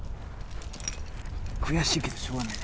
悔しいけどしょうがないな